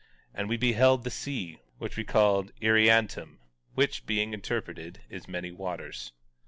And we beheld the sea, which we called Irreantum, which, being interpreted, is many waters.